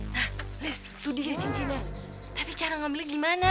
nah liz itu dia cincinnya tapi cara ngambilnya gimana